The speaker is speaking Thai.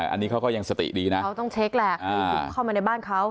อันนี้เขาก็ยังสติดีนะเขาต้องเช็คแหละเข้ามาในบ้านเขา